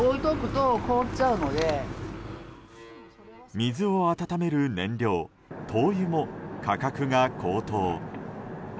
水を温める燃料、灯油も価格が高騰。